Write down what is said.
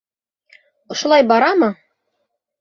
Ошолай барамы?